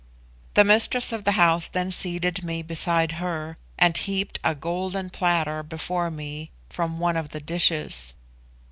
The mistress of the house then seated me beside her, and heaped a golden platter before me from one of the dishes.